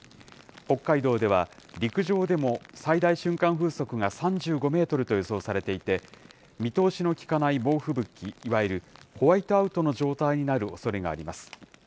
北海道では、陸上でも最大瞬間風速が３５メートルと予想されていて、見通しの利かない猛吹雪、いわゆるホワイトアウトの状態になるおそれがあります。